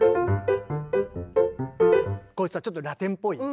こういうちょっとラテンっぽい。ね？